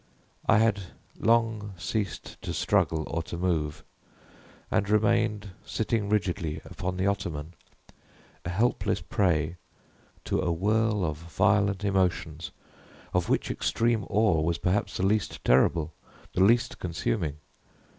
I had long ceased to struggle or to move, and remained sitting rigidly upon the ottoman, a helpless prey to a whirl of violent emotions, of which extreme awe was perhaps the least terrible, the least consuming.